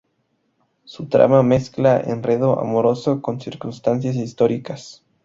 Su trama mezcla enredo amoroso con circunstancias históricas.